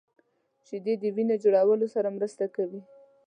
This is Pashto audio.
شیدې د وینې جوړولو سره مرسته کوي